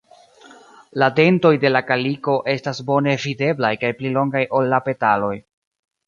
La dentoj de la kaliko estas bone videblaj kaj pli longaj ol la petaloj.